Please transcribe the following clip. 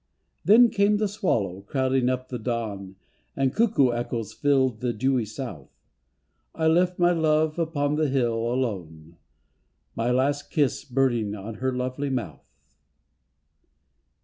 Then came the swallow crowding up the dawn, And cuckoo echoes filled the dewy South. I left my love upon the hill, alone, My last kiss burning on her lovely mouth.